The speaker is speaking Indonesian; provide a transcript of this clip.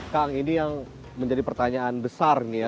kang ini yang menjadi pertanyaan besar nih ya